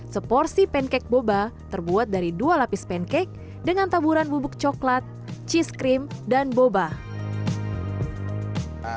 seporsi pancake boba terbuat dari dua lapis pancake dengan taburan bubuk coklat cheese cream dan boba